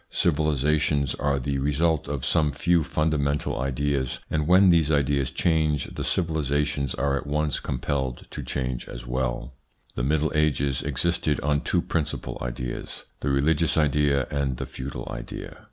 Civilisations are the ITS INFLUENCE ON THEIR EVOLUTION 171 result of some few fundamental ideas, and when these ideas change, the civilisations are at once com pelled to change as well. The Middle Ages existed on two principal ideas : the religious idea and the feudal idea.